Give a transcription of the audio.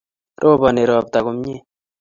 roboni ropta komie